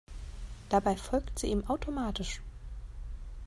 Dabei folgt sie ihm automatisch.